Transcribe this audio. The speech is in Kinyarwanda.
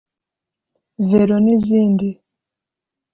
’Velo’ n’izindi